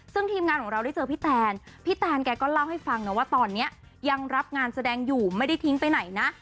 ซึ่งทีมงานของเราได้เจอพี่แตนพี่แตนแกก็เล่าให้ฟังนะว่าตอนนี้ยังรับงานแสดงอยู่ไม่ได้ทิ้งไปไหนนะ